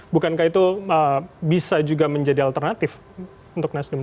bukankah itu bisa juga menjadi alternatif untuk nasdem